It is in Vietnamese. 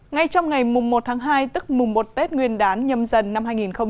ngay trong ngày một tháng hai tức mùng một tết nguyên đán nhâm dần năm hai nghìn hai mươi